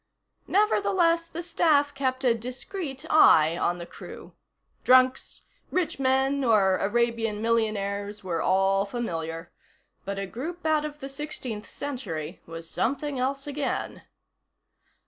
Nevertheless, the staff kept a discreet eye on the crew. Drunks, rich men or Arabian millionaires were all familiar. But a group out of the Sixteenth Century was something else again.